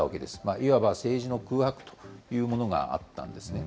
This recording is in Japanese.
いわば政治の空白というものがあったんですね。